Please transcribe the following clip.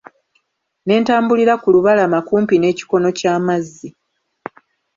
Ne ntambulira ku lubalama kumpi n'ekikono ky'amazzi.